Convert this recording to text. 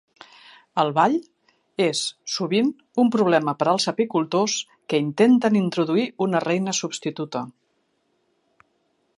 El ball és sovint un problema per als apicultors que intenten introduir una reina substituta.